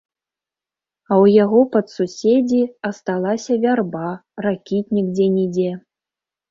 А ў яго падсуседзі асталася вярба, ракітнік дзе-нідзе.